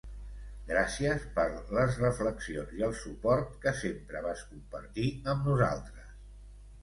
Gràcies per les reflexions i el suport que sempre vas compartir amb nosaltres.